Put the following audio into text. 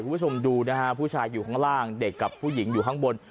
คุณผู้ชมดูนะฮะผู้ชายอยู่ข้างล่างเด็กกับผู้หญิงอยู่ข้างบน